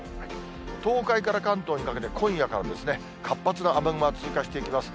東海から関東にかけて今夜から活発な雨雲が通過していきます。